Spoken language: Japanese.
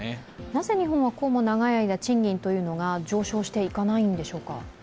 なぜ日本はこうも長い間、賃金が上昇していかないんでしょうか？